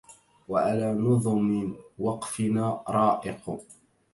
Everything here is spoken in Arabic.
وعلى نظم وقفنا رائق